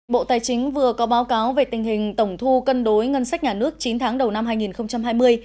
bộ tài chính vừa có báo cáo về tình hình tổng thu cân đối ngân sách nhà nước chín tháng đầu năm hai nghìn hai mươi